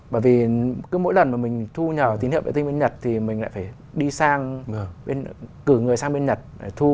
bởi vì cứ mỗi lần mà mình thu nhờ tín hiệu vệ tinh bên nhật thì mình lại phải đi sang cử người sang bên nhật để thu